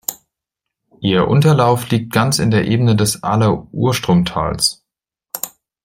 Ihr Unterlauf liegt ganz in der Ebene des Aller-Urstromtals.